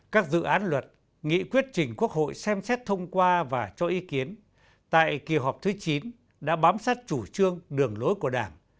các dự án luật nghị quyết trình quốc hội xem xét thông qua và cho ý kiến tại kỳ họp thứ chín đã bám sát chủ trương đường lối của đảng